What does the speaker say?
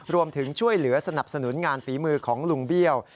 รวมถึงช่วยเหลือสนับสนุนงานฝีมือของลุงเบี้ยว